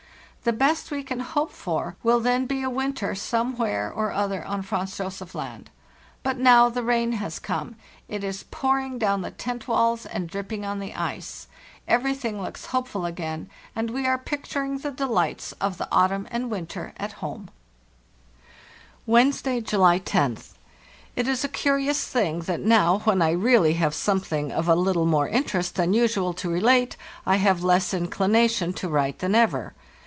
The best we can hope for will then be a winter some where or other on Franz Josef Land. But now the rain has come. It is pouring down the tent walls and dripping on the ice. Everything looks hopeful again, and we are picturing the delights of the autumn and winter at home. * Compare, however, what I say on this subject later—z\e., July 24th. BY SLEDGE: AND KAYAK 309 " Wednesday, July roth. It is acurious thing that now, when I really have something of a little more interest than usual to relate, I have less inclination to write than ever.